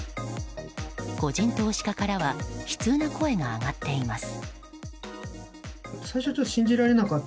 個人投資家からは悲痛な声が上がっています。